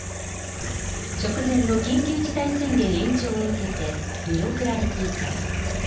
直前の緊急事態宣言延長を受けて、見送られていた。